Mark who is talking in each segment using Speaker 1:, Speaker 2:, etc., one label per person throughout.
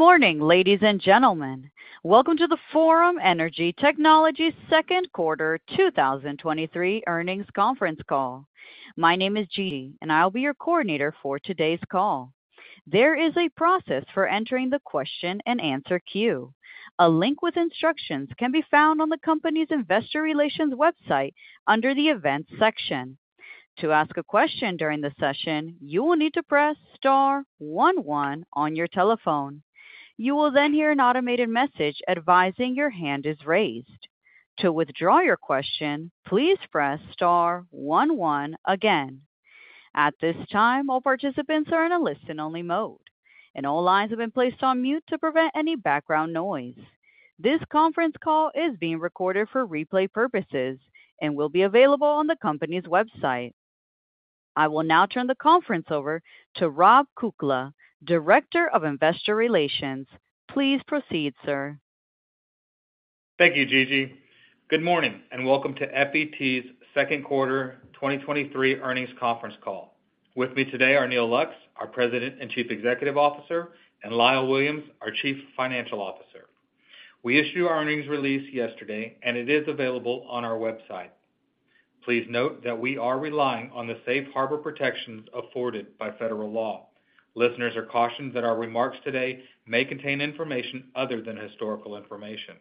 Speaker 1: Good morning, ladies and gentlemen. Welcome to the Forum Energy Technologies' Second Quarter 2023 Earnings Conference Call. My name is Gigi, and I'll be your coordinator for today's call. There is a process for entering the question-and-answer queue. A link with instructions can be found on the company's investor relations website under the Events section. To ask a question during the session, you will need to press star one one on your telephone. You will then hear an automated message advising your hand is raised. To withdraw your question, please press star one one again. At this time, all participants are in a listen-only mode, and all lines have been placed on mute to prevent any background noise. This conference call is being recorded for replay purposes and will be available on the company's website. I will now turn the conference over to Rob Kukla, Director of Investor Relations. Please proceed, sir.
Speaker 2: Thank you, Gigi. Good morning, welcome to FET's Second Quarter 2023 Earnings Conference Call. With me today are Neal Lux, our President and Chief Executive Officer, and Lyle Williams, our Chief Financial Officer. We issued our earnings release yesterday, it is available on our website. Please note that we are relying on the Safe Harbor protections afforded by federal law. Listeners are cautioned that our remarks today may contain information other than historical information.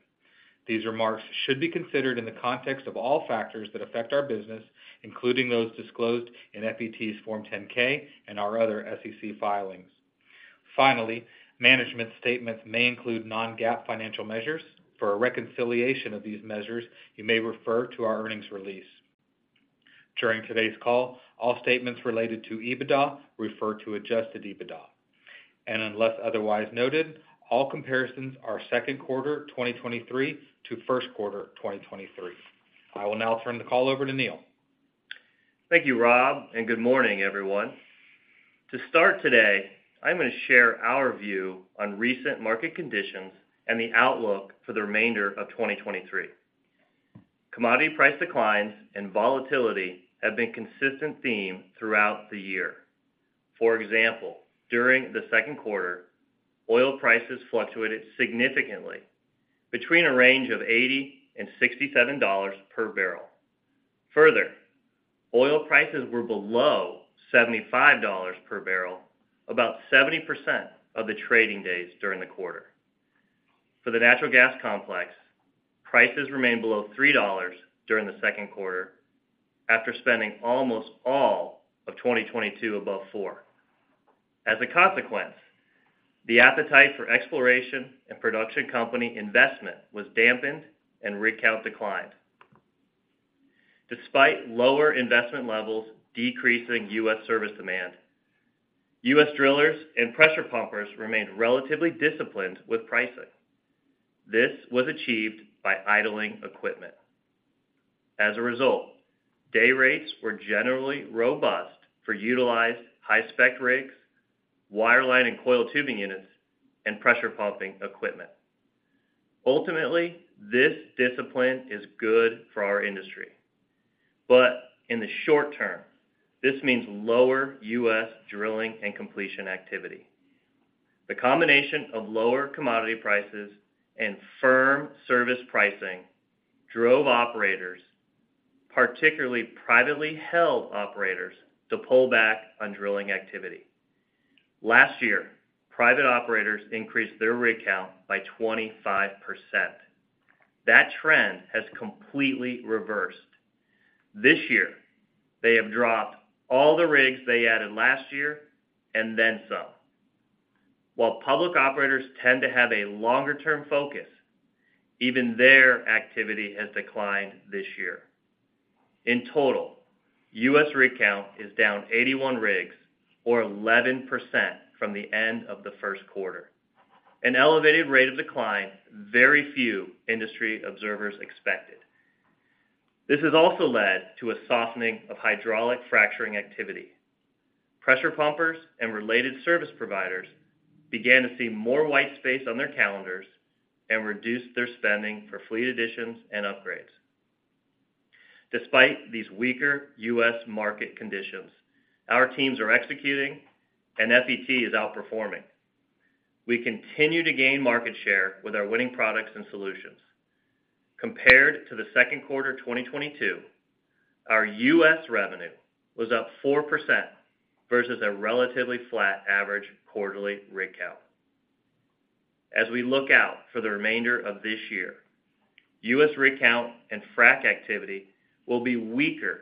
Speaker 2: These remarks should be considered in the context of all factors that affect our business, including those disclosed in FET's Form 10-K and our other SEC filings. Finally, management statements may include non-GAAP financial measures. For a reconciliation of these measures, you may refer to our earnings release. During today's call, all statements related to EBITDA refer to Adjusted EBITDA, and unless otherwise noted, all comparisons are second quarter 2023 to first quarter 2023. I will now turn the call over to Neal.
Speaker 3: Thank you, Rob. Good morning, everyone. To start today, I'm going to share our view on recent market conditions and the outlook for the remainder of 2023. Commodity price declines and volatility have been a consistent theme throughout the year. For example, during the second quarter, oil prices fluctuated significantly between a range of $80 and $67 per barrel. Further, oil prices were below $75 per barrel, about 70% of the trading days during the quarter. For the natural gas complex, prices remained below $3 during the second quarter after spending almost all of 2022 above $4. As a consequence, the appetite for exploration and production company investment was dampened and rig count declined. Despite lower investment levels decreasing U.S. service demand, U.S. drillers and pressure pumpers remained relatively disciplined with pricing. This was achieved by idling equipment. As a result, day rates were generally robust for utilized high-spec rigs, wireline and coiled tubing units, and pressure pumping equipment. Ultimately, this discipline is good for our industry, but in the short term, this means lower US drilling and Completions activity. The combination of lower commodity prices and firm service pricing drove operators, particularly privately held operators, to pull back on drilling activity. Last year, private operators increased their rig count by 25%. That trend has completely reversed. This year, they have dropped all the rigs they added last year and then some. While public operators tend to have a longer-term focus, even their activity has declined this year. In total, U.S. rig count is down 81 rigs or 11% from the end of the first quarter, an elevated rate of decline very few industry observers expected. This has also led to a softening of hydraulic fracturing activity. Pressure pumpers and related service providers began to see more white space on their calendars and reduced their spending for fleet additions and upgrades. Despite these weaker U.S. market conditions, our teams are executing. FET is outperforming. We continue to gain market share with our winning products and solutions. Compared to the second quarter 2022, our U.S. revenue was up 4% versus a relatively flat average quarterly rig count. As we look out for the remainder of this year, U.S. rig count and frack activity will be weaker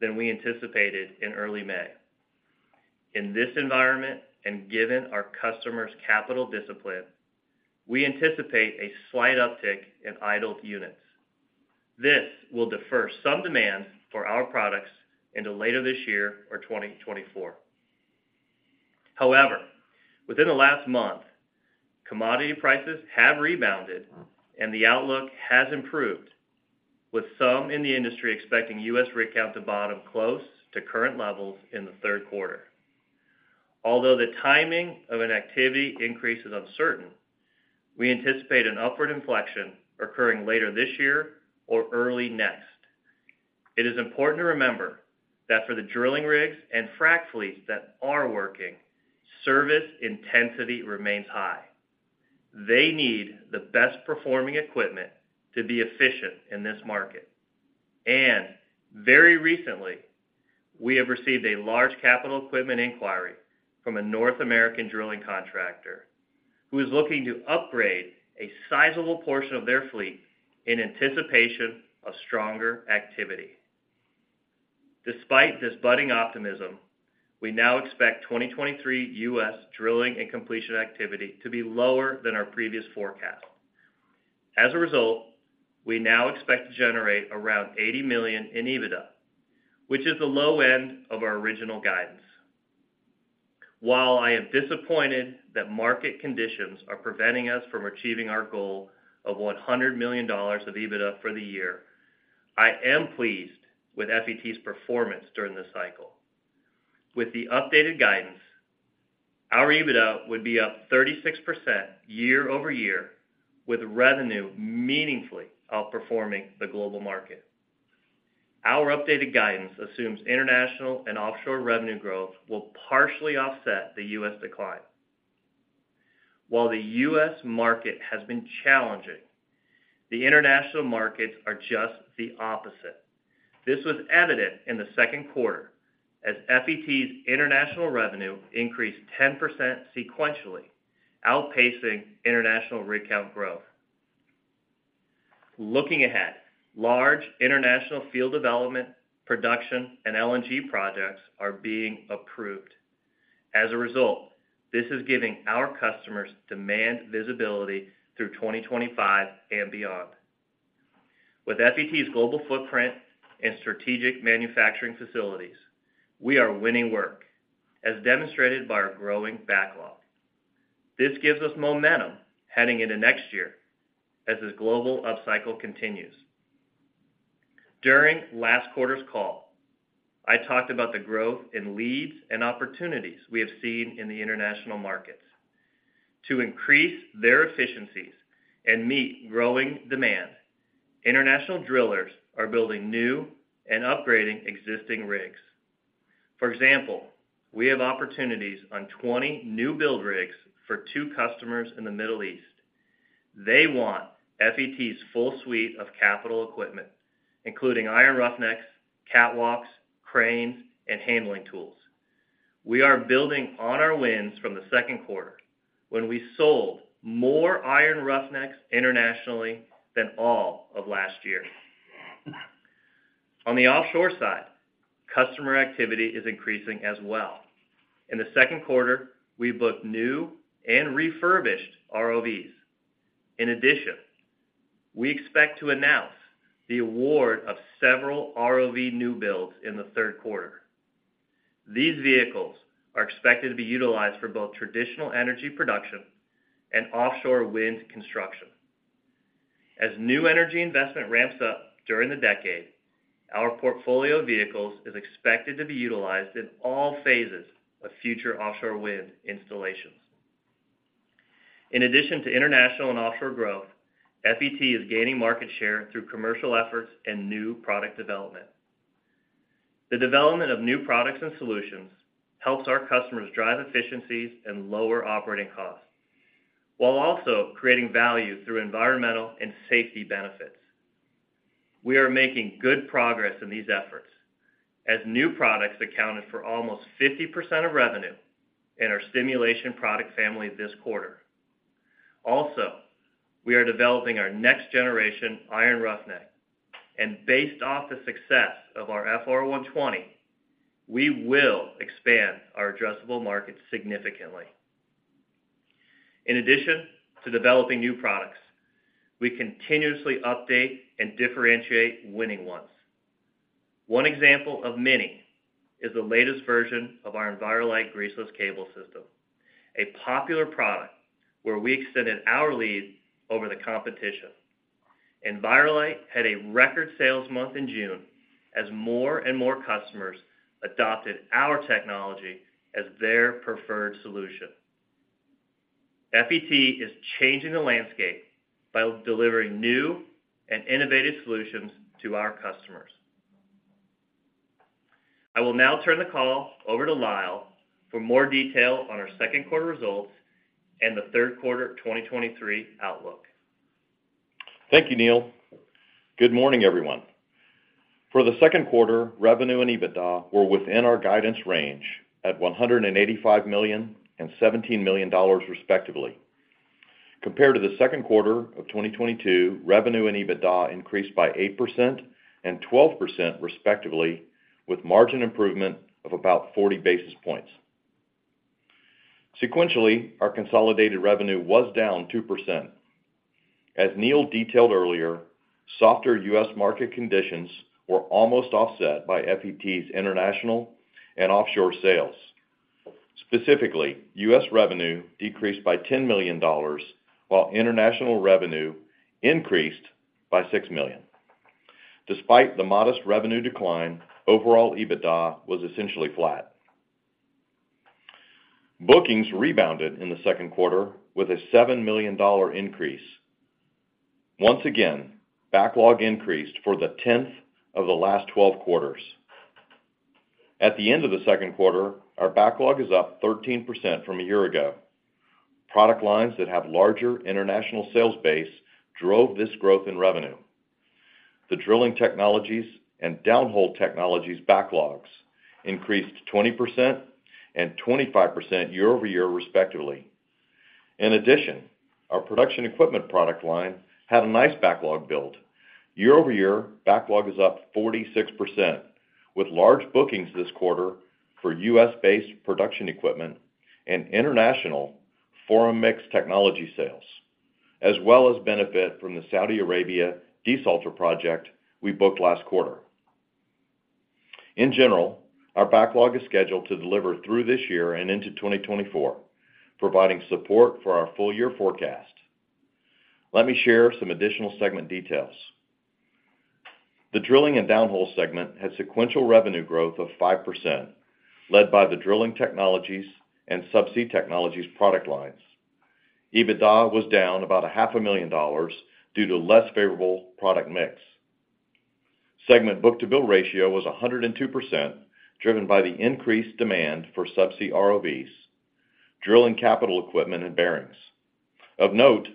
Speaker 3: than we anticipated in early May. In this environment, and given our customers' capital discipline, we anticipate a slight uptick in idled units. This will defer some demand for our products into later this year or 2024. Within the last month, commodity prices have rebounded and the outlook has improved, with some in the industry expecting U.S. rig count to bottom close to current levels in the third quarter. Although the timing of an activity increase is uncertain, we anticipate an upward inflection occurring later this year or early next. It is important to remember that for the drilling rigs and frac fleets that are working, service intensity remains high. They need the best performing equipment to be efficient in this market. Very recently, we have received a large capital equipment inquiry from a North American drilling contractor, who is looking to upgrade a sizable portion of their fleet in anticipation of stronger activity. Despite this budding optimism, we now expect 2023 U.S. drilling and completion activity to be lower than our previous forecast. As a result, we now expect to generate around $80 million in EBITDA, which is the low end of our original guidance. While I am disappointed that market conditions are preventing us from achieving our goal of $100 million of EBITDA for the year, I am pleased with FET's performance during this cycle. With the updated guidance, our EBITDA would be up 36% year-over-year, with revenue meaningfully outperforming the global market. Our updated guidance assumes international and offshore revenue growth will partially offset the U.S. decline. While the U.S. market has been challenging, the international markets are just the opposite. This was evident in the second quarter, as FET's international revenue increased 10% sequentially, outpacing international rig count growth. Looking ahead, large international field development, production, and LNG projects are being approved. As a result, this is giving our customers demand visibility through 2025 and beyond. With FET's global footprint and strategic manufacturing facilities, we are winning work, as demonstrated by our growing backlog. This gives us momentum heading into next year as this global upcycle continues. During last quarter's call, I talked about the growth in leads and opportunities we have seen in the international markets. To increase their efficiencies and meet growing demand, international drillers are building new and upgrading existing rigs. For example, we have opportunities on 20 new build rigs for two customers in the Middle East. They want FET's full suite of capital equipment, including iron roughnecks, catwalks, cranes, and handling tools. We are building on our wins from the second quarter, when we sold more iron roughnecks internationally than all of last year. On the offshore side, customer activity is increasing as well. In the second quarter, we booked new and refurbished ROVs. In addition, we expect to announce the award of several ROV new builds in the third quarter. These vehicles are expected to be utilized for both traditional energy production and offshore wind construction. As new energy investment ramps up during the decade, our portfolio of vehicles is expected to be utilized in all phases of future offshore wind installations. In addition to international and offshore growth, FET is gaining market share through commercial efforts and new product development. The development of new products and solutions helps our customers drive efficiencies and lower operating costs, while also creating value through environmental and safety benefits. We are making good progress in these efforts, as new products accounted for almost 50% of revenue in our stimulation product family this quarter. We are developing our next generation iron roughneck, and based off the success of our FR120, we will expand our addressable market significantly. In addition to developing new products, we continuously update and differentiate winning ones. One example of many is the latest version of our Enviro-Lite greaseless cable system, a popular product where we extended our lead over the competition. Enviro-Lite had a record sales month in June, as more and more customers adopted our technology as their preferred solution. FET is changing the landscape by delivering new and innovative solutions to our customers. I will now turn the call over to Lyle for more detail on our second quarter results and the third quarter 2023 outlook.
Speaker 4: Thank you, Neal. Good morning, everyone. For the second quarter, revenue and EBITDA were within our guidance range at $185 million and $17 million, respectively. Compared to the second quarter of 2022, revenue and EBITDA increased by 8% and 12%, respectively, with margin improvement of about 40 basis points. Sequentially, our consolidated revenue was down 2%. As Neal detailed earlier, softer U.S. market conditions were almost offset by FET's international and offshore sales. Specifically, U.S. revenue decreased by $10 million, while international revenue increased by $6 million. Despite the modest revenue decline, overall, EBITDA was essentially flat. Bookings rebounded in the second quarter with a $7 million increase. Once again, backlog increased for the 10th of the last 12 quarters. At the end of the second quarter, our backlog is up 13% from a year ago. Product lines that have larger international sales base drove this growth in revenue. The Drilling Technologies and Downhole Technologies backlogs increased 20% and 25% year-over-year, respectively. In addition, our Production Equipment product line had a nice backlog build. Year-over-year, backlog is up 46%, with large bookings this quarter for U.S.-based Production Equipment and international ForuMix technology sales, as well as benefit from the Saudi Arabia desalter project we booked last quarter. In general, our backlog is scheduled to deliver through this year and into 2024, providing support for our full year forecast. Let me share some additional segment details. The Drilling & Downhole segment had sequential revenue growth of 5%, led by the Drilling Technologies and Subsea Technologies product lines. EBITDA was down about $500,000 due to less favorable product mix. Segment book-to-bill ratio was 102%, driven by the increased demand for Subsea Technologies ROVs, drilling capital equipment, and bearings. Of note,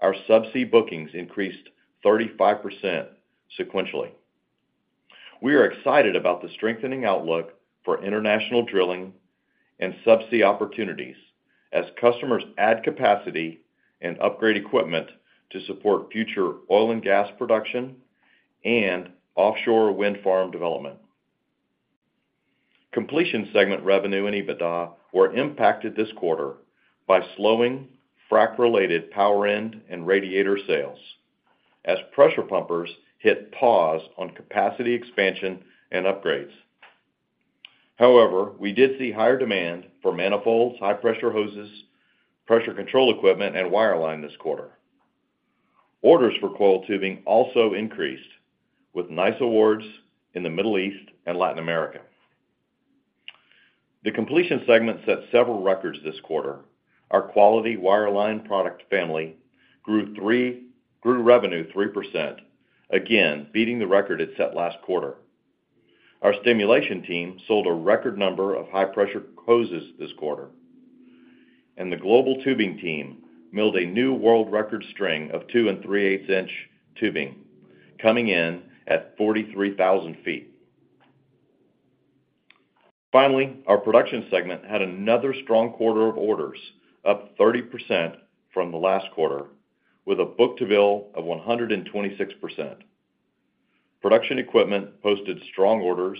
Speaker 4: our subsea bookings increased 35% sequentially. We are excited about the strengthening outlook for international drilling and subsea opportunities as customers add capacity and upgrade equipment to support future oil and gas production and offshore wind farm development. Completions segment revenue and EBITDA were impacted this quarter by slowing frac-related power end and radiator sales, as pressure pumpers hit pause on capacity expansion and upgrades. However, we did see higher demand for manifolds, high-pressure hoses, pressure control equipment, and wireline this quarter. Orders for coiled tubing also increased, with nice awards in the Middle East and Latin America. The Completions segment set several records this quarter. Our Quality Wireline product family grew revenue 3%, again, beating the record it set last quarter. Our stimulation team sold a record number of high-pressure hoses this quarter, and the Global Tubing team milled a new world record string of 2 and 3/8 inch tubing, coming in at 43,000 feet. Finally, our Production segment had another strong quarter of orders, up 30% from the last quarter, with a book-to-bill of 126%. Production Equipment posted strong orders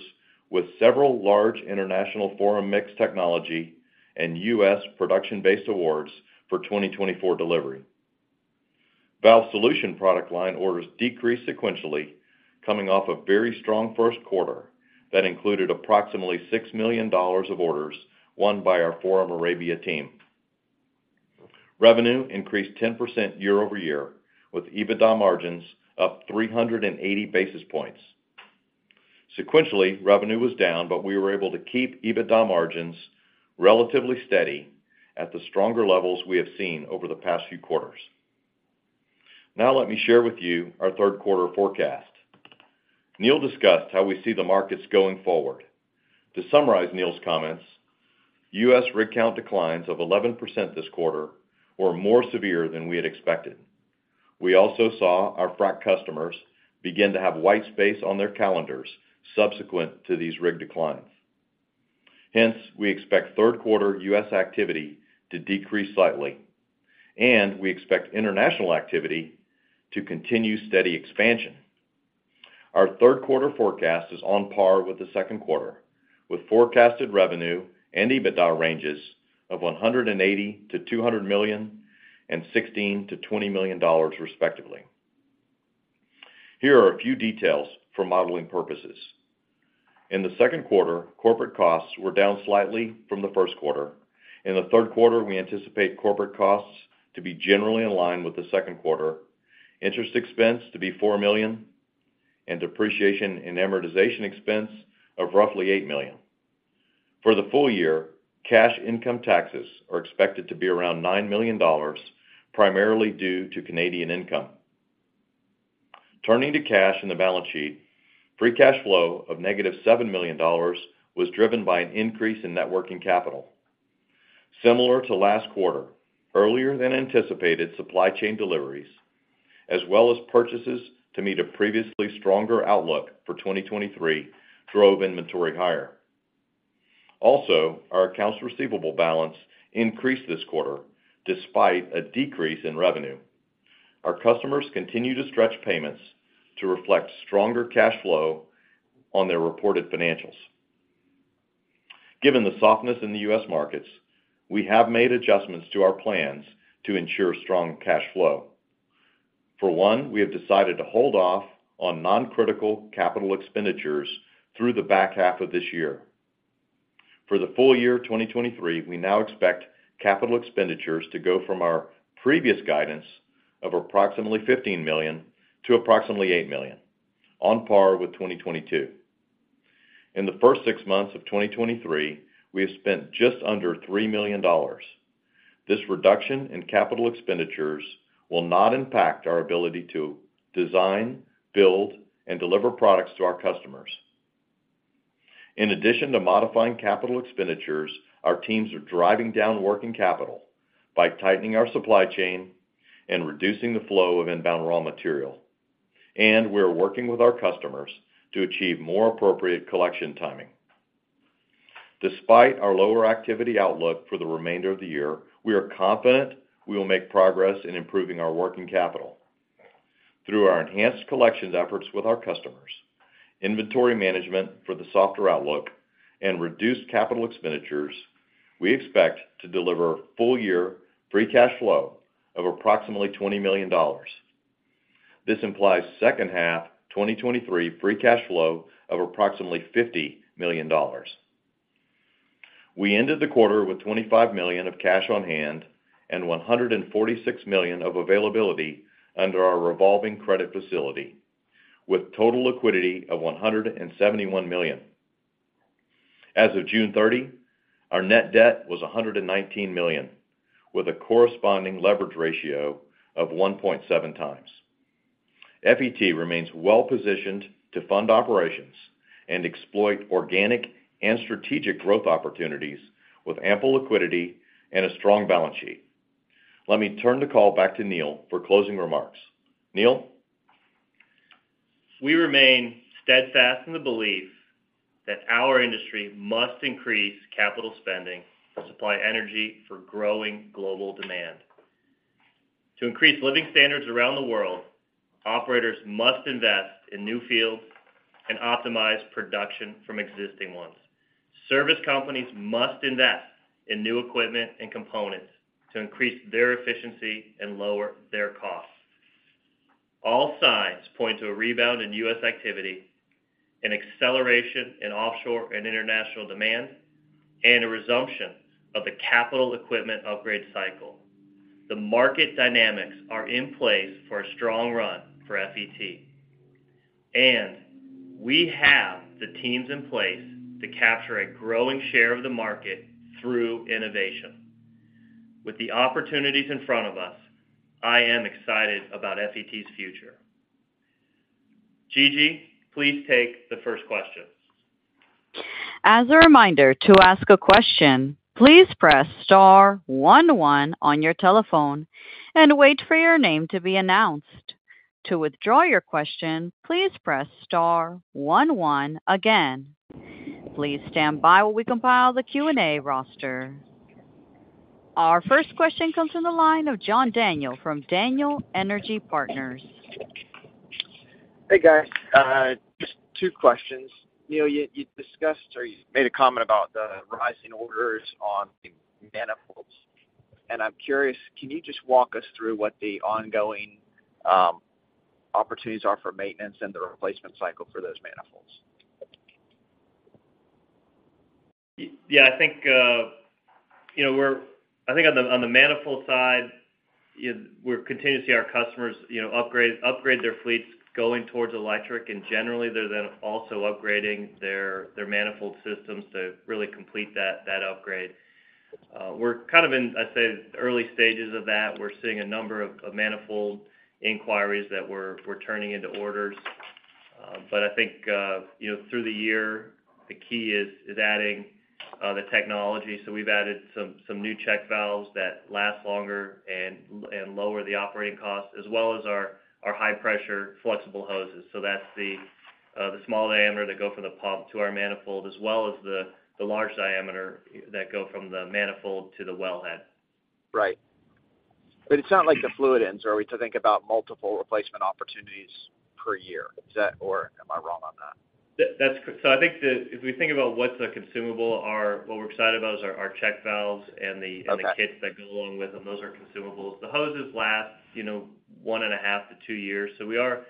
Speaker 4: with several large international ForuMix technology and U.S. production-based awards for 2024 delivery. Valve Solutions product line orders decreased sequentially, coming off a very strong first quarter that included approximately $6 million of orders won by our Forum Arabia team. Revenue increased 10% year-over-year, with EBITDA margins up 380 basis points. Sequentially, revenue was down, but we were able to keep EBITDA margins relatively steady at the stronger levels we have seen over the past few quarters. Now, let me share with you our third quarter forecast. Neal discussed how we see the markets going forward. To summarize Neal's comments, U.S. rig count declines of 11% this quarter were more severe than we had expected. We also saw our frac customers begin to have white space on their calendars subsequent to these rig declines. Hence, we expect third quarter U.S. activity to decrease slightly, and we expect international activity to continue steady expansion. Our third quarter forecast is on par with the second quarter, with forecasted revenue and EBITDA ranges of $180 million-$200 million and $16 million-$20 million, respectively. Here are a few details for modeling purposes. In the second quarter, corporate costs were down slightly from the first quarter. In the third quarter, we anticipate corporate costs to be generally in line with the second quarter, interest expense to be $4 million, and depreciation and amortization expense of roughly $8 million. For the full year, cash income taxes are expected to be around $9 million, primarily due to Canadian income. Turning to cash in the balance sheet, free cash flow of negative $7 million was driven by an increase in net working capital. Similar to last quarter, earlier than anticipated supply chain deliveries, as well as purchases to meet a previously stronger outlook for 2023, drove inventory higher. Also, our accounts receivable balance increased this quarter, despite a decrease in revenue. Our customers continue to stretch payments to reflect stronger cash flow on their reported financials. Given the softness in the U.S. markets, we have made adjustments to our plans to ensure strong cash flow. For one, we have decided to hold off on non-critical capital expenditures through the back half of this year. For the full year of 2023, we now expect capital expenditures to go from our previous guidance of approximately $15 million to approximately $8 million. On par with 2022. In the first six months of 2023, we have spent just under $3 million. This reduction in capital expenditures will not impact our ability to design, build, and deliver products to our customers. In addition to modifying capital expenditures, our teams are driving down working capital by tightening our supply chain and reducing the flow of inbound raw material, and we're working with our customers to achieve more appropriate collection timing. Despite our lower activity outlook for the remainder of the year, we are confident we will make progress in improving our working capital. Through our enhanced collections efforts with our customers, inventory management for the softer outlook, and reduced capital expenditures, we expect to deliver full year free cash flow of approximately $20 million. This implies second half 2023 free cash flow of approximately $50 million. We ended the quarter with $25 million of cash on hand and $146 million of availability under our revolving credit facility, with total liquidity of $171 million. As of June 30, our net debt was $119 million, with a corresponding leverage ratio of 1.7 times. FET remains well positioned to fund operations and exploit organic and strategic growth opportunities with ample liquidity and a strong balance sheet. Let me turn the call back to Neal for closing remarks. Neal?
Speaker 3: We remain steadfast in the belief that our industry must increase capital spending to supply energy for growing global demand. To increase living standards around the world, operators must invest in new fields and optimize production from existing ones. Service companies must invest in new equipment and components to increase their efficiency and lower their costs. All signs point to a rebound in U.S. activity, an acceleration in offshore and international demand, and a resumption of the capital equipment upgrade cycle. The market dynamics are in place for a strong run for FET, and we have the teams in place to capture a growing share of the market through innovation. With the opportunities in front of us, I am excited about FET's future. Gigi, please take the first question.
Speaker 1: As a reminder, to ask a question, please press star one one on your telephone and wait for your name to be announced. To withdraw your question, please press star one one again. Please stand by while we compile the Q&A roster. Our first question comes from the line of John Daniel from Daniel Energy Partners.
Speaker 5: Hey, guys. Just two questions. Neal, you, you discussed or you made a comment about the rising orders on the manifolds, and I'm curious, can you just walk us through what the ongoing opportunities are for maintenance and the replacement cycle for those manifolds?
Speaker 3: Yeah, I think, you know, we're I think on the, on the manifold side, we're continuing to see our customers, you know, upgrade, upgrade their fleets going towards electric, and generally, they're then also upgrading their, their manifold systems to really complete that, that upgrade. We're kind of in, I'd say, the early stages of that. We're seeing a number of, of manifold inquiries that we're, we're turning into orders. I think, you know, through the year, the key is, is adding the technology. We've added some, some new check valves that last longer and, and lower the operating costs, as well as our, our high-pressure flexible hoses. That's the small diameter that go from the pump to our manifold, as well as the, the large diameter that go from the manifold to the wellhead.
Speaker 5: Right. It's not like the fluid ends, are we to think about multiple replacement opportunities per year? Is that or am I wrong on that?
Speaker 3: I think if we think about what's the consumable, what we're excited about is our check valves.
Speaker 5: Okay...
Speaker 3: and the kits that go along with them. Those are consumables. The hoses last, you know, 1.5-2 years. We are,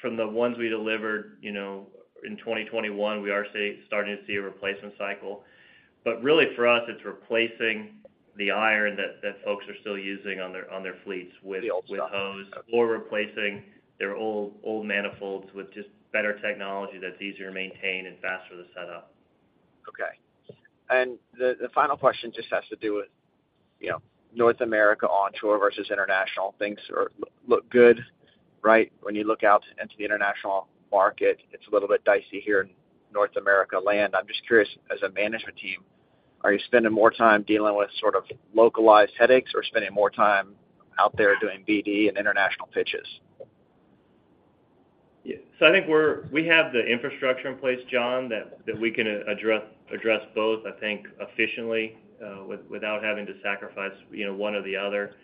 Speaker 3: from the ones we delivered, you know, in 2021, we are say, starting to see a replacement cycle. Really, for us, it's replacing the iron that, that folks are still using on their, on their fleets with-
Speaker 5: The old stuff.
Speaker 3: with hose, or replacing their old, old manifolds with just better technology that's easier to maintain and faster to set up.
Speaker 5: Okay. The, the final question just has to do with, you know, North America onshore versus international. Things are, look, look good, right? When you look out into the international market, it's a little bit dicey here in North America land. I'm just curious, as a management team, are you spending more time dealing with sort of localized headaches or spending more time out there doing BD and international pitches?
Speaker 3: Yeah. I think we have the infrastructure in place, John, that we can address both, I think, efficiently, without having to sacrifice, you know, one or the other.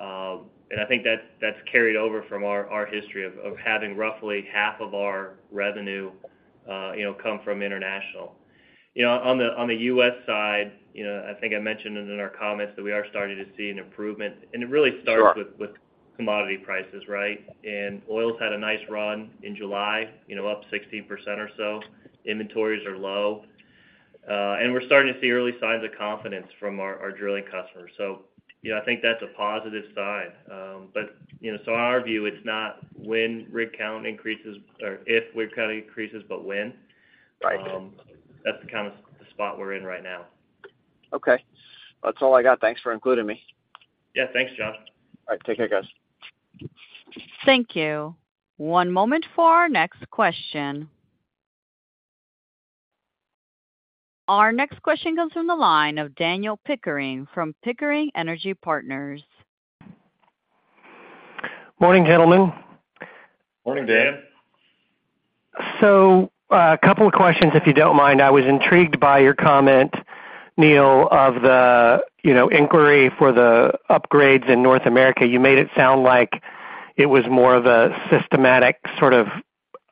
Speaker 3: I think that's carried over from our history of having roughly half of our revenue, you know, come from international. You know, on the US side, you know, I think I mentioned it in our comments, that we are starting to see an improvement, it really starts.
Speaker 5: Sure...
Speaker 3: with, with commodity prices, right? Oil's had a nice run in July, you know, up 16% or so. Inventories are low. We're starting to see early signs of confidence from our, our drilling customers. You know, I think that's a positive sign. You know, so our view, it's not when rig count increases, or if rig count increases, but when.
Speaker 5: Right.
Speaker 3: That's the kind of the spot we're in right now.
Speaker 5: Okay. That's all I got. Thanks for including me.
Speaker 3: Yeah, thanks, John.
Speaker 5: All right. Take care, guys.
Speaker 1: Thank you. One moment for our next question. Our next question comes from the line of Dan Pickering from Pickering Energy Partners.
Speaker 6: Morning, gentlemen.
Speaker 3: Morning, Dan.
Speaker 6: A couple of questions, if you don't mind. I was intrigued by your comment, Neal, of the, you know, inquiry for the upgrades in North America. You made it sound like it was more of a systematic, sort of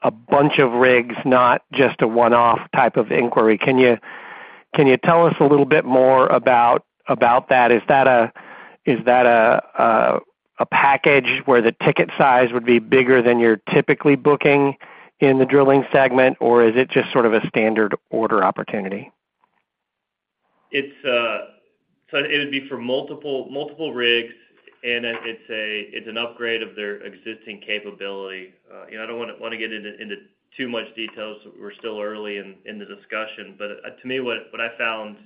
Speaker 6: a bunch of rigs, not just a one-off type of inquiry. Can you, can you tell us a little bit more about, about that? Is that a, is that a, a, a package where the ticket size would be bigger than you're typically booking in the Drilling segment, or is it just sort of a standard order opportunity?
Speaker 3: It's so it would be for multiple, multiple rigs, and it's an upgrade of their existing capability. You know, I don't wanna get into too much details. We're still early in the discussion. To me, what I found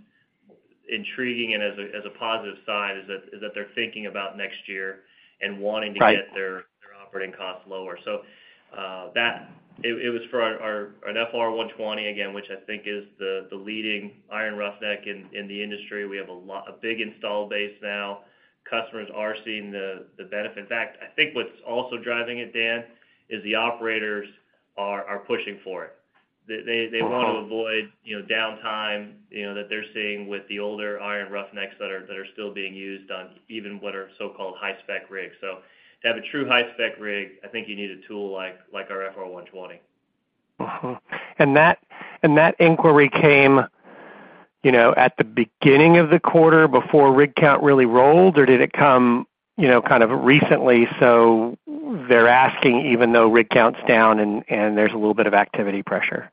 Speaker 3: intriguing and as a positive sign, is that they're thinking about next year and wanting.
Speaker 6: Right...
Speaker 3: to get their, their operating costs lower. it, it was for our, an FR120, again, which I think is the, the leading iron roughneck in, in the industry. We have a big install base now. Customers are seeing the, the benefit. In fact, I think what's also driving it, Dan, is the operators are, are pushing for it. They want to avoid, you know, downtime, you know, that they're seeing with the older iron roughnecks that are still being used on even what are so-called high-spec rigs. To have a true high-spec rig, I think you need a tool like, like our FR120.
Speaker 6: Mm-hmm. That, and that inquiry came, you know, at the beginning of the quarter before rig count really rolled, or did it come, you know, kind of recently, so they're asking, even though rig count's down and, and there's a little bit of activity pressure?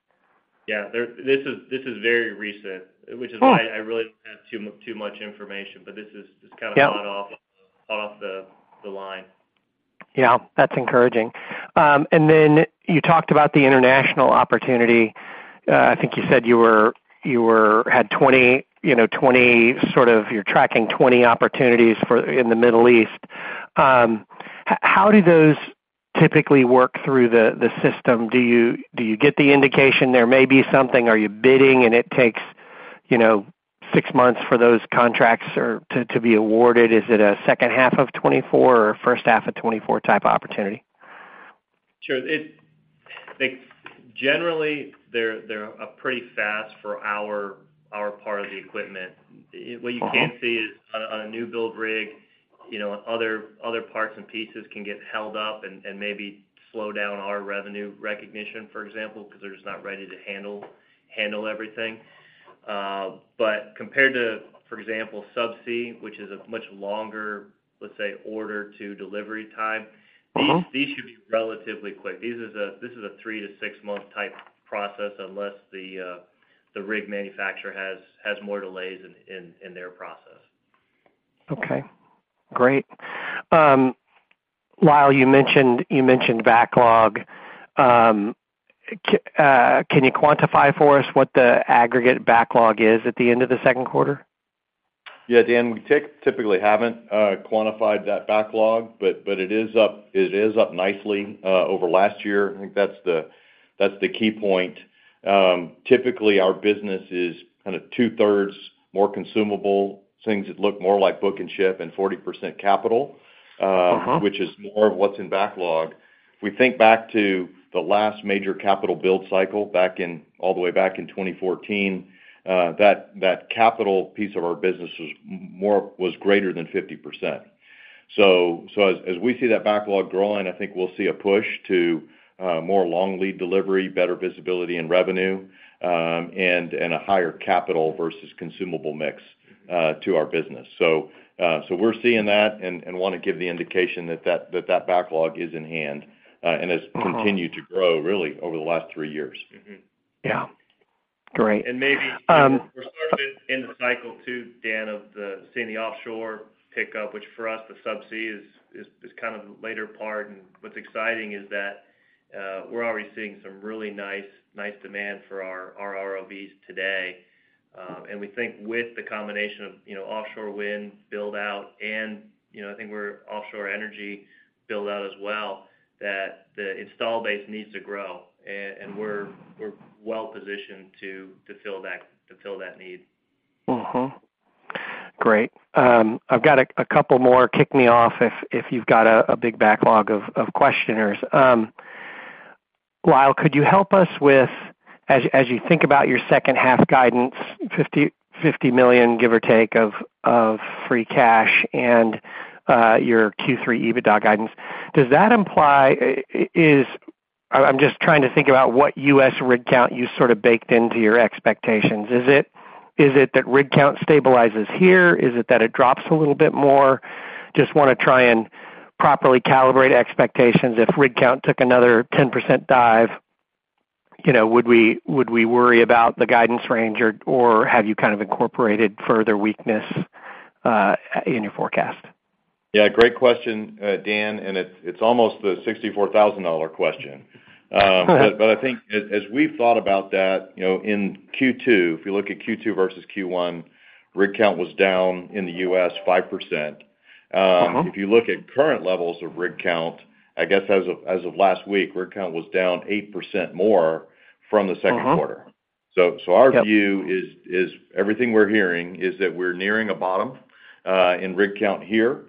Speaker 3: Yeah, this is, this is very recent, which is why-
Speaker 6: Oh
Speaker 3: I really don't have too much information, but this is just kind of-
Speaker 6: Yeah...
Speaker 3: hot off the line.
Speaker 6: Yeah, that's encouraging. Then you talked about the international opportunity. I think you said you had 20, you know, 20, you're tracking 20 opportunities for in the Middle East. How do those typically work through the system? Do you, do you get the indication there may be something? Are you bidding and it takes, you know, six months for those contracts or, to, to be awarded? Is it a second half of 2024 or first half of 2024 type opportunity?
Speaker 3: Sure. like, generally, they're, they're a pretty fast for our, our part of the equipment.
Speaker 6: Mm-hmm
Speaker 3: You can see is on a new build rig, you know, other, other parts and pieces can get held up and, and maybe slow down our revenue recognition, for example, because they're just not ready to handle, handle everything. Compared to, for example, subsea, which is a much longer, let's say, order to delivery time...
Speaker 6: Mm-hmm...
Speaker 3: these, these should be relatively quick. This is a, this is a 3-6 month type process, unless the, the rig manufacturer has, has more delays in, in, in their process.
Speaker 6: Okay, great. Lyle, you mentioned, you mentioned backlog. Can you quantify for us what the aggregate backlog is at the end of the second quarter?
Speaker 4: Yeah, Dan, we typically haven't quantified that backlog, but, but it is up, it is up nicely over last year. I think that's the, that's the key point. Typically, our business is kind of two-thirds more consumable, things that look more like book and ship and 40% capital.
Speaker 6: Mm-hmm
Speaker 4: Which is more of what's in backlog. We think back to the last major capital build cycle, all the way back in 2014, that, that capital piece of our business was greater than 50%. As we see that backlog growing, I think we'll see a push to, more long lead delivery, better visibility in revenue, and, and a higher capital versus consumable mix, to our business. We're seeing that and, and wanna give the indication that, that, that backlog is in hand, and has.
Speaker 6: Mm-hmm...
Speaker 4: continued to grow really over the last three years.
Speaker 3: Mm-hmm.
Speaker 6: Yeah. Great.
Speaker 3: Maybe-
Speaker 6: Um-...
Speaker 3: we're sort of in the cycle too, Dan, of the seeing the offshore pickup, which for us, the subsea is, is, is kind of the later part. What's exciting is that we're already seeing some really nice, nice demand for our, our ROVs today. We think with the combination of, you know, offshore wind build-out and, you know, I think we're offshore energy build-out as well, that the install base needs to grow. And we're, we're well positioned to, to fill that, to fill that need.
Speaker 6: Great. I've got a couple more. Kick me off if you've got a big backlog of questioners. Lyle, could you help us with, as you think about your second half guidance, $50 million, give or take, of free cash and your Q3 EBITDA guidance, does that imply, I'm just trying to think about what US rig count you sort of baked into your expectations? Is it that rig count stabilizes here? Is it that it drops a little bit more? Just wanna try and properly calibrate expectations. If rig count took another 10% dive, you know, would we, would we worry about the guidance range, or have you kind of incorporated further weakness in your forecast?
Speaker 4: Yeah, great question, Dan, and it's, it's almost the $64,000 question. I think as, as we've thought about that, you know, in Q2, if you look at Q2 versus Q1, rig count was down in the U.S., 5%.
Speaker 6: Mm-hmm.
Speaker 4: If you look at current levels of rig count, I guess as of, as of last week, rig count was down 8% more from the 2Q.
Speaker 6: Mm-hmm.
Speaker 4: Our view is, is everything we're hearing, is that we're nearing a bottom in rig count here.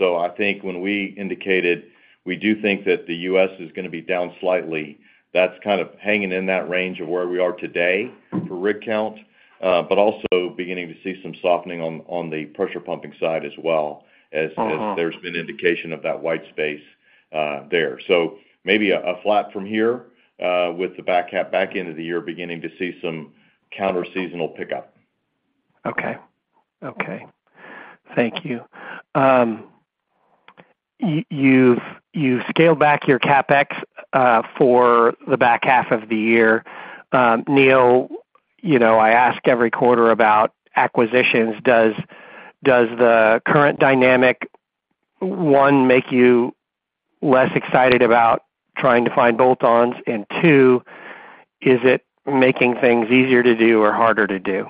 Speaker 4: I think when we indicated we do think that the U.S. is gonna be down slightly, that's kind of hanging in that range of where we are today for rig count, but also beginning to see some softening on, on the pressure pumping side as well.
Speaker 6: Mm-hmm...
Speaker 4: as, as there's been indication of that white space, there. Maybe a, a flat from here, with the back half, back end of the year, beginning to see some counterseasonal pickup.
Speaker 6: Okay. Okay. Thank you. You've, you've scaled back your CapEx for the back half of the year. Neal, you know, I ask every quarter about acquisitions. Does, does the current dynamic, one, make you less excited about trying to find bolt-ons? Two, is it making things easier to do or harder to do?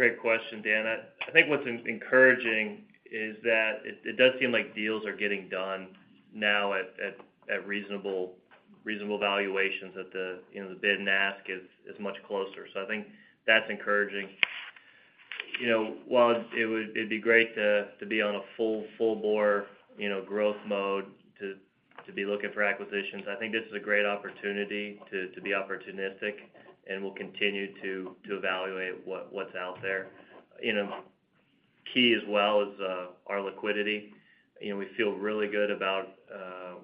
Speaker 3: Great question, Dan. I think what's encouraging is that it, it does seem like deals are getting done now at reasonable, reasonable valuations, that the, you know, the bid and ask is, is much closer. I think that's encouraging. You know, while it'd be great to, to be on a full, full bore, you know, growth mode to, to be looking for acquisitions, I think this is a great opportunity to, to be opportunistic, and we'll continue to, to evaluate what's out there. You know, key as well is our liquidity. You know, we feel really good about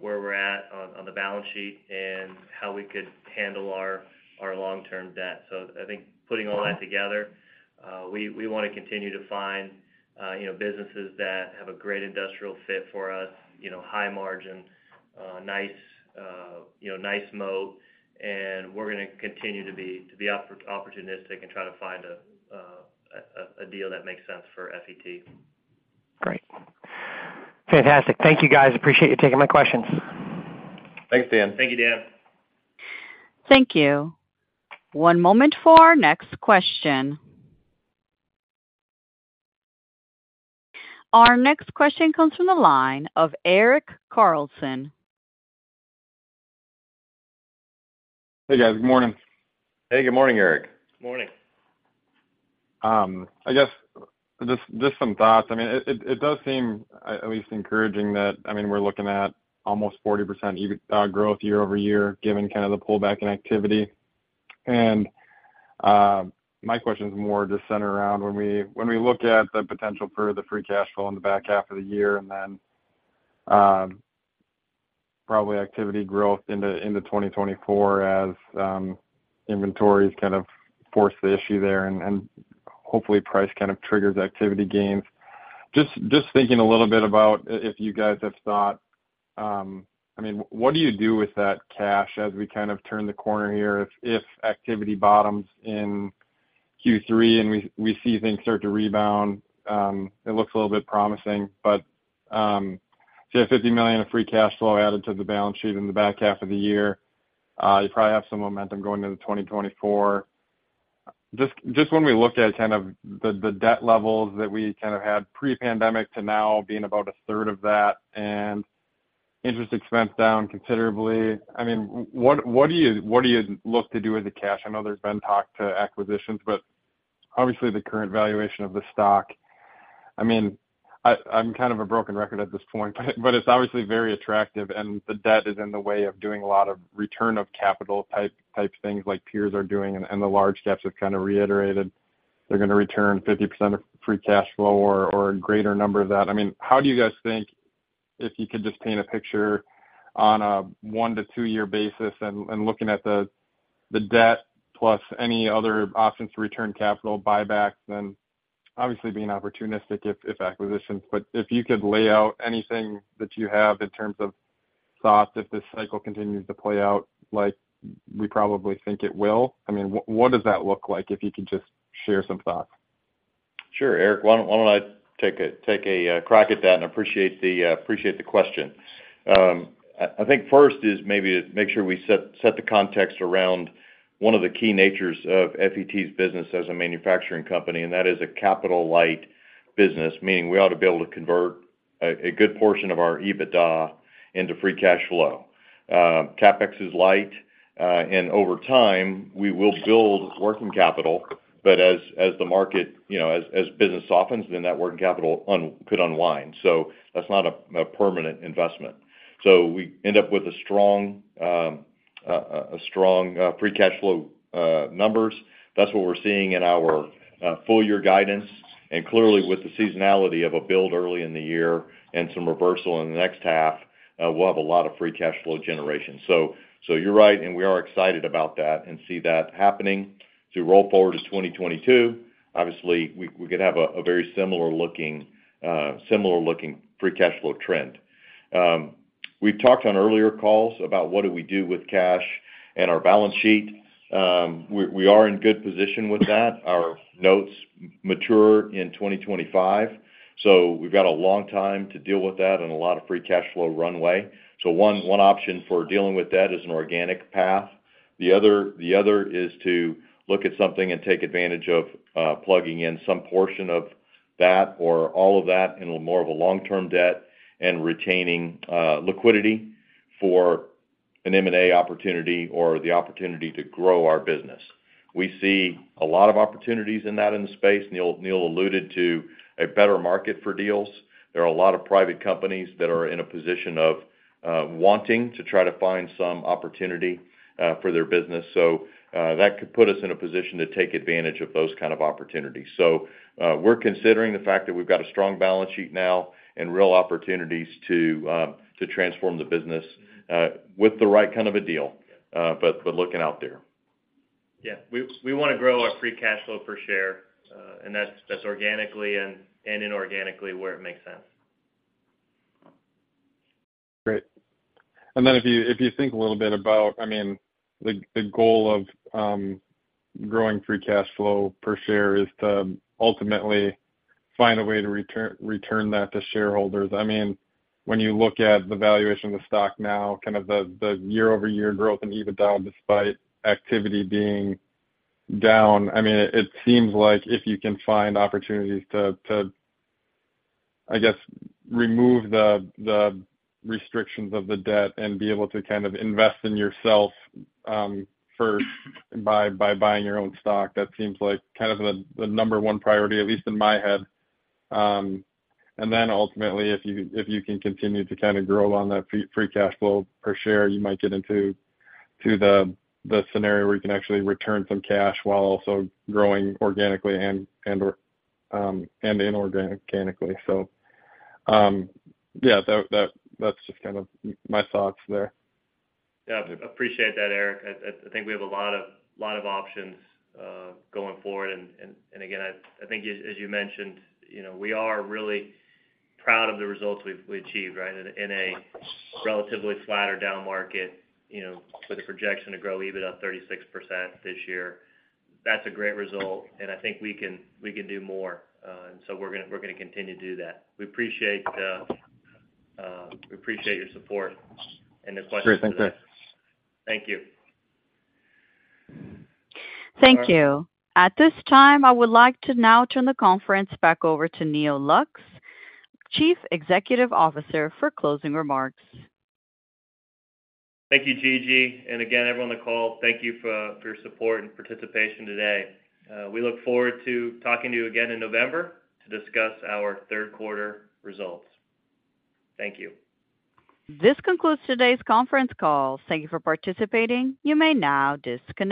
Speaker 3: where we're at on, on the balance sheet and how we could handle our, our long-term debt. I think putting all that together, we, we wanna continue to find, you know, businesses that have a great industrial fit for us, you know, high margin, nice, you know, nice moat, and we're gonna continue to be, to be opportunistic and try to find a, a, a deal that makes sense for FET.
Speaker 6: Great. Fantastic. Thank you, guys. Appreciate you taking my questions.
Speaker 4: Thanks, Dan.
Speaker 3: Thank you, Dan.
Speaker 1: Thank you. One moment for our next question. Our next question comes from the line of Eric Carlson.
Speaker 7: Hey, guys. Good morning.
Speaker 4: Hey, good morning, Eric.
Speaker 3: Good morning.
Speaker 7: I guess just, just some thoughts. I mean, it, it, it does seem at least encouraging that we're looking at almost 40% EBITDA growth year-over-year, given kind of the pullback in activity. My question is more just centered around when we, when we look at the potential for the free cash flow in the back half of the year, then probably activity growth into 2024 as inventories kind of force the issue there, and hopefully, price kind of triggers activity gains. Just, just thinking a little bit about if you guys have thought, what do you do with that cash as we kind of turn the corner here, if, if activity bottoms in Q3 and we, we see things start to rebound, it looks a little bit promising. You have $50 million of free cash flow added to the balance sheet in the back half of the year. You probably have some momentum going into 2024. Just when we look at kind of the debt levels that we kind of had pre-pandemic to now being about a third of that and interest expense down considerably, I mean, what do you look to do with the cash? I know there's been talk to acquisitions, but obviously, the current valuation of the stock. I mean, I'm kind of a broken record at this point, but it's obviously very attractive, and the debt is in the way of doing a lot of return of capital type, type things like peers are doing, and the large caps have kind of reiterated they're gonna return 50% of free cash flow or, or a greater number of that. I mean, how do you guys think, if you could just paint a picture on a 1-2-year basis and, and looking at the, the debt plus any other options to return capital, buybacks, then obviously being opportunistic if, if acquisitions. If you could lay out anything that you have in terms of thoughts, if this cycle continues to play out, like we probably think it will. I mean, what does that look like? If you could just share some thoughts.
Speaker 4: Sure, Eric. Why don't, why don't I take a, take a crack at that? Appreciate the, appreciate the question. I, I think first is maybe to make sure we set, set the context around one of the key natures of FET's business as a manufacturing company, and that is a capital light business, meaning we ought to be able to convert a, a good portion of our EBITDA into free cash flow. CapEx is light, and over time, we will build working capital, but as, as the market, you know, as, as business softens, then that working capital un- could unwind. That's not a, a permanent investment. We end up with a strong, a strong, free cash flow, numbers. That's what we're seeing in our full year guidance, clearly with the seasonality of a build early in the year and some reversal in the next half, we'll have a lot of free cash flow generation. So you're right, and we are excited about that and see that happening. To roll forward to 2022, obviously, we, we could have a, a very similar looking, similar looking free cash flow trend. We've talked on earlier calls about what do we do with cash and our balance sheet. We, we are in good position with that. Our notes mature in 2025, so we've got a long time to deal with that and a lot of free cash flow runway. One, one option for dealing with that is an organic path. The other, the other is to look at something and take advantage of plugging in some portion of that or all of that into more of a long-term debt and retaining liquidity for an M&A opportunity or the opportunity to grow our business. We see a lot of opportunities in that in the space. Neal, Neal alluded to a better market for deals. There are a lot of private companies that are in a position of wanting to try to find some opportunity for their business. That could put us in a position to take advantage of those kind of opportunities. We're considering the fact that we've got a strong balance sheet now and real opportunities to to transform the business with the right kind of a deal, but we're looking out there.
Speaker 3: Yeah. We, we wanna grow our free cash flow per share, and that's, that's organically and, and inorganically where it makes sense.
Speaker 7: Great. Then if you, if you think a little bit about, I mean, the, the goal of growing free cash flow per share is to ultimately find a way to return, return that to shareholders. I mean, when you look at the valuation of the stock now, kind of the, the year-over-year growth in EBITDA, despite activity being down, I mean, it seems like if you can find opportunities to, to, I guess, remove the, the restrictions of the debt and be able to kind of invest in yourself, first by, by buying your own stock, that seems like kind of the, the number one priority, at least in my head. And then ultimately, if you, if you can continue to kind of grow on that free, free cash flow per share, you might get into to the, the scenario where you can actually return some cash while also growing organically and, and, and inorganically. So, yeah, that, that's just kind of my thoughts there.
Speaker 3: Yeah, appreciate that, Eric. I, I think we have a lot of, lot of options going forward. And, and again, I, I think as, as you mentioned, you know, we are really proud of the results we've we achieved, right? In a, in a relatively flat or down market, you know, with the projection to grow EBITDA 36% this year. That's a great result, and I think we can, we can do more. So we're gonna, we're gonna continue to do that. We appreciate, we appreciate your support and the questions.
Speaker 7: Sure. Thank you.
Speaker 3: Thank you.
Speaker 1: Thank you. At this time, I would like to now turn the conference back over to Neal Lux, Chief Executive Officer, for closing remarks.
Speaker 3: Thank you, Gigi, and again, everyone on the call, thank you for, for your support and participation today. We look forward to talking to you again in November to discuss our third quarter results. Thank you.
Speaker 1: This concludes today's conference call. Thank you for participating. You may now disconnect.